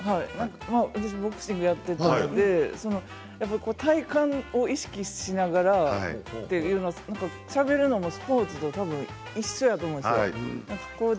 私、ボクシングをやっていたので体幹を意識しながらというのはしゃべるのもスポーツとかもたぶん一緒やと思うんですよ。